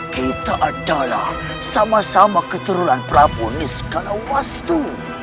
kita adalah sama sama keterulan prabu nisqalawastu